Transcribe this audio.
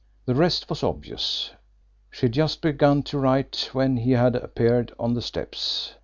The rest was obvious. She had but just begun to write when he had appeared on the steps.